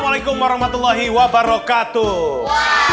waalaikumsalam warahmatullahi wabarakatuh